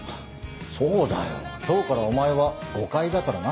そうだよ今日からお前は５階だからな。